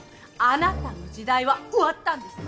あなたの時代は終わったんです。